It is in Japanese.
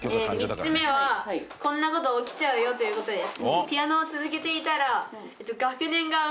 ３つ目は「こんなこと起きちゃうよ」ということです。